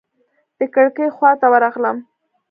د کړکۍ خواته ورغلم.